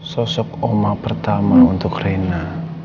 sosok oma pertama untuk reina